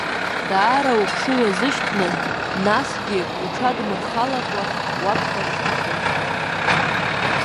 Даара ухшыҩ азышьҭны, насгьы уҽадмырхалакәа уаԥхьар сҭахын.